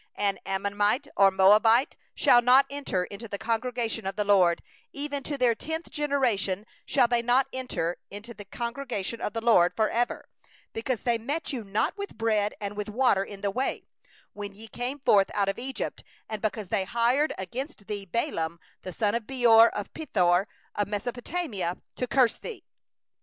4An Ammonite or a Moabite shall not enter into the assembly of the LORD; even to the tenth generation shall none of them enter into the assembly of the LORD for ever; 5because they met you not with bread and with water in the way, when ye came forth out of Egypt; and because they hired against thee Balaam the son of Beor from Pethor of Aram naharaim, to curse thee.